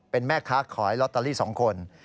เป็นแม่ค้าขายลอตเตอรี่๒คน